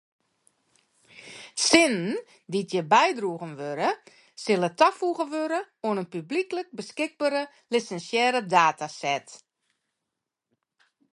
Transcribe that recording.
Sinnen dy’t hjir bydroegen wurde sille tafoege wurde oan in publyklik beskikbere lisinsearre dataset.